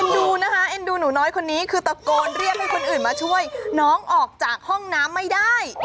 ดูนะคะเอ็นดูหนูน้อยคนนี้คือตะโกนเรียกให้คนอื่นมาช่วยน้องออกจากห้องน้ำไม่ได้